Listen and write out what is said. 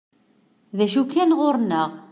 D acu kan ɣur-nneɣ.